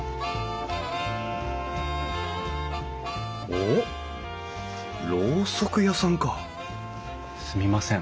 おっろうそく屋さんかすみません。